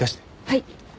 はい。